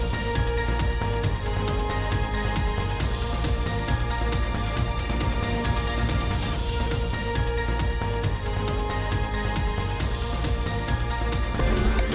โปรดติดตามตอนต่อไป